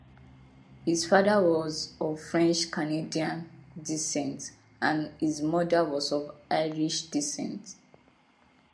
His father was of French-Canadian descent and his mother was of Irish descent.